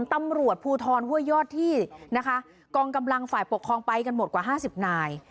ตำรวจภูทรห้วยยอดที่นะคะกองกำลังฝ่ายปกครองไปกันหมดกว่า๕๐นาย